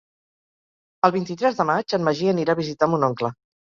El vint-i-tres de maig en Magí anirà a visitar mon oncle.